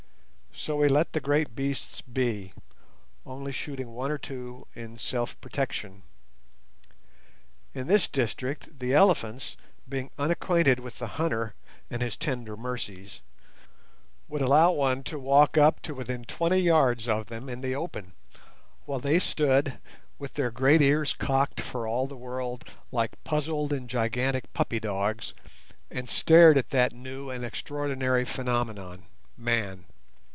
So we let the great beasts be, only shooting one or two in self protection. In this district, the elephants, being unacquainted with the hunter and his tender mercies, would allow one to walk up to within twenty yards of them in the open, while they stood, with their great ears cocked for all the world like puzzled and gigantic puppy dogs, and stared at that new and extraordinary phenomenon—man.